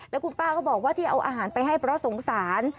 แล้วคุณป้าก็บอกว่าที่เอาอาหารไปให้เพราะสงสาร